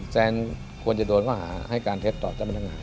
แซนควรจะโดนเข้าหาให้การเท็จต่อจำเป็นทางหา